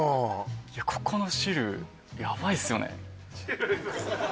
いやここの汁ヤバいっすよね汁